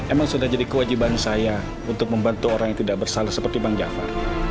emang sudah jadi kewajiban saya untuk membantu orang yang tidak bersalah seperti bang jafar